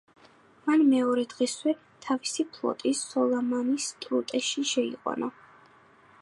მან მეორე დღესვე თავისი ფლოტი სალამინის სრუტეში შეიყვანა.